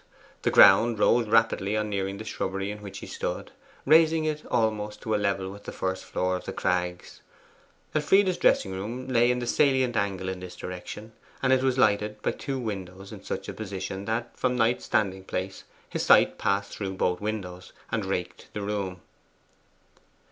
The ground rose rapidly on nearing the shrubbery in which he stood, raising it almost to a level with the first floor of The Crags. Elfride's dressing room lay in the salient angle in this direction, and it was lighted by two windows in such a position that, from Knight's standing place, his sight passed through both windows, and raked the room.